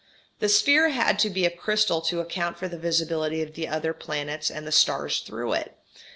The sphere had to be of crystal to account for the visibility of other planets and the stars through it.